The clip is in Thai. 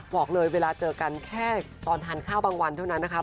บอกเลยเวลาเจอกันแค่ตอนทานข้าวบางวันเท่านั้นนะคะ